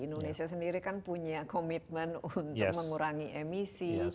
indonesia sendiri kan punya komitmen untuk mengurangi emisi